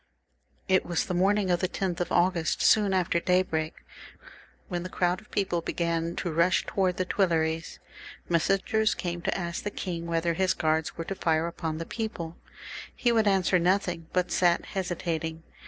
It was the morning of the 10th of August, soon after daybreak, when the crowd of people began to rush towards the Tuileries. Messengers came to ask the king whether his guards were to fire against the people. He would answer nothing, but sat hesitating.